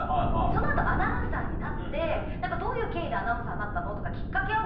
その後アナウンサーになってどういう経緯でアナウンサーになったの？とかきっかけは？